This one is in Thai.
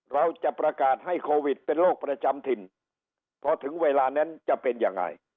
เราจะประกาศให้โควิดเป็นโรคประจำถิ่นพอถึงเวลานั้นจะเป็นยังไง